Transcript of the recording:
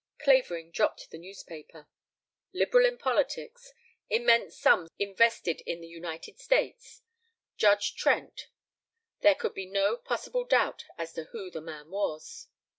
Clavering dropped the newspaper. Liberal in politics. Immense sums invested in the United States. Judge Trent. There could be no possible doubt as to who the man was.